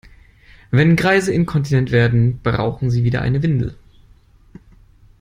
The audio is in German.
Wenn Greise inkontinent werden, brauchen sie wieder eine Windel.